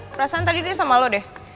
perasaan tadi deh sama lo deh